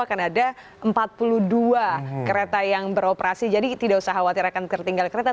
akan ada empat puluh dua kereta yang beroperasi jadi tidak usah khawatir akan tertinggal kereta